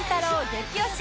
激推し！！